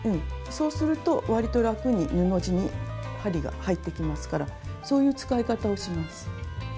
そうすると割とラクに布地に針が入っていきますからそういう使い方をします。